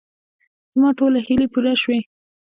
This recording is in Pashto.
زما ټولې هیلې پوره شوې.